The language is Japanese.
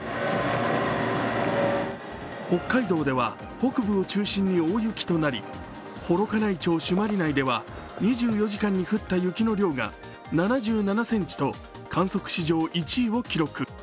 北海道では北部を中心に大雪となり幌加内町朱鞠内では２４時間に降った雪の量が７７ｃｍと観測史上１位を記録。